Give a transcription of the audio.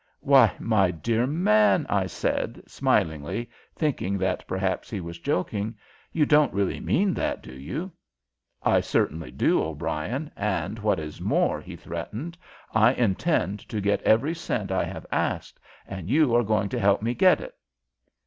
"Why, my dear man," I said, smilingly, thinking that perhaps he was joking, "you don't really mean that, do you?" "I certainly do, O'Brien, and what is more," he threatened, "I intend to get every cent I have asked, and you are going to help me get it!"